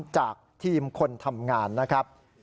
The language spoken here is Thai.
จากทีมคนทำงานนะครับ